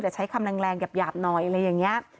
ใช้คำแรงหยาบหน่อยอะไรอย่างนี้